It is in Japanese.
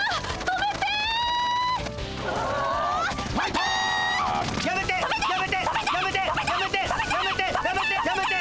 止めて！